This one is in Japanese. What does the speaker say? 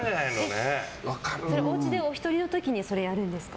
おうちでお一人の時にやるんですか？